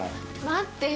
待ってよ！